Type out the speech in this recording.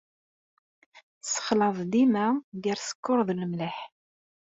Tessexlaḍ dima gar sskeṛ d lemleḥ.